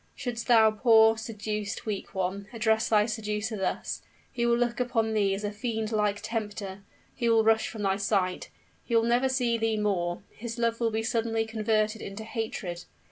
Shouldst thou, poor, seduced, weak one, address thy seducer thus, he will look upon thee as a fiend like tempter he will rush from thy sight he will never see thee more; his love will be suddenly converted into hatred!